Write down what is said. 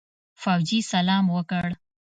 فوجي سلام وکړ.